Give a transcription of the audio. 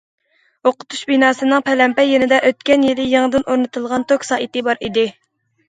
ئوقۇتۇش بىناسىنىڭ پەلەمپەي يېنىدا ئۆتكەن يىلى يېڭىدىن ئورنىتىلغان توك سائىتى بار ئىدى.